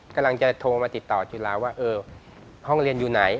กำลังจะโทรมาติดต่อจุฬาว่าเออห้องเรียนอยู่ไหน